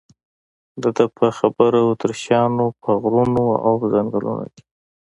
د ده په خبره اتریشیانو په غرونو او ځنګلونو کې.